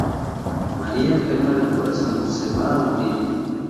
María, enferma del corazón, se va a morir.